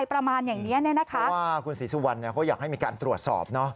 เพราะว่าคุณศรีสุวรรณเขาอยากให้มีการตรวจสอบ